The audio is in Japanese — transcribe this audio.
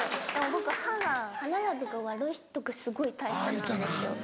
僕歯が歯並びが悪い人がすごいタイプなんですよ。